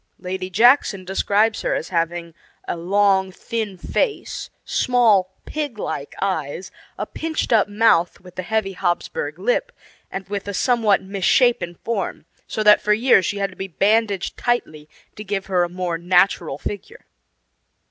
Lady Jackson describes her as having a long, thin face, small, pig like eyes, a pinched up mouth, with the heavy Hapsburg lip, and with a somewhat misshapen form, so that for years she had to be bandaged tightly to give her a more natural figure.